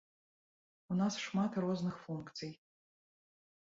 У нас шмат розных функцый.